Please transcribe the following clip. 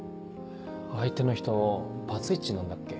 相手の人バツイチなんだっけ？